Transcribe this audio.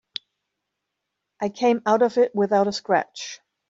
I came out of it without a scratch.